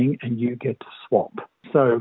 dan anda dapat menukar